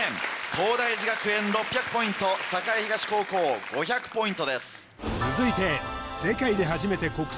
東大寺学園６００ポイント栄東高校５００ポイントです。